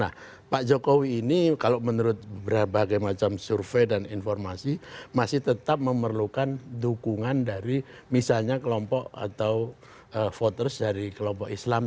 nah pak jokowi ini kalau menurut berbagai macam survei dan informasi masih tetap memerlukan dukungan dari misalnya kelompok atau voters dari kelompok islam